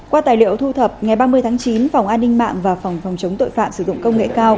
qua tài liệu thu thập ngày ba mươi tháng chín phòng an ninh mạng và phòng phòng chống tội phạm sử dụng công nghệ cao